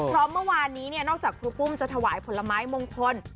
เพราะเมื่อวานนี้เนี่ยนอกจากครูปุ้มจะถวายผลไม้มงคล